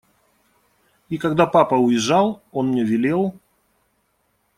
И, когда папа уезжал, он мне велел…